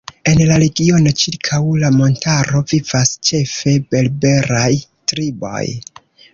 En la regiono ĉirkaŭ la montaro vivas ĉefe berberaj triboj.